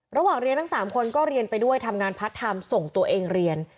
ระหว่างเรียนทั้ง๓คนก็เรียนไปด้วยทำงานพัดทำส่งตัวเองเรียน